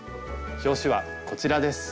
表紙はこちらです。